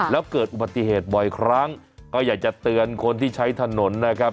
แล้วเกิดอุบัติเหตุบ่อยครั้งก็อยากจะเตือนคนที่ใช้ถนนนะครับ